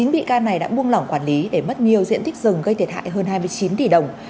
chín bị can này đã buông lỏng quản lý để mất nhiều diện tích rừng gây thiệt hại hơn hai mươi chín tỷ đồng